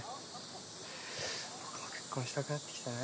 僕も結婚したくなってきたな。